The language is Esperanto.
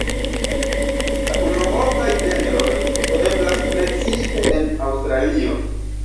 La unuopaj genroj troveblas precipe en Aŭstralio.